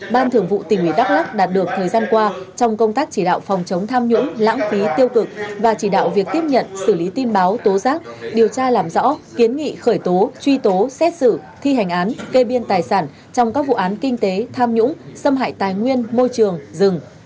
ban thường vụ tỉnh ủy đắk lắc đạt được thời gian qua trong công tác chỉ đạo phòng chống tham nhũng lãng phí tiêu cực và chỉ đạo việc tiếp nhận xử lý tin báo tố giác điều tra làm rõ kiến nghị khởi tố truy tố xét xử thi hành án cây biên tài sản trong các vụ án kinh tế tham nhũng xâm hại tài nguyên môi trường rừng